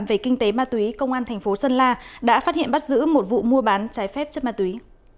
về kinh tế ma túy công an thành phố sơn la đã phát hiện bắt giữ một vụ mua bán trái phép chất ma túy